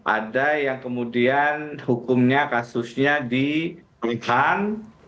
ada yang kemudian hukumnya kasusnya dikeluhkan